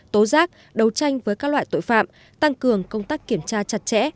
tố giác đấu tranh với các loại tội phạm tăng cường công tác kiểm tra chặt chẽ